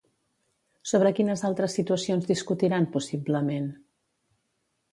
Sobre quines altres situacions discutiran, possiblement?